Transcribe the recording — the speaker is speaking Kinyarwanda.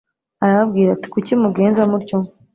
arababwira ati kuki mugenza mutyo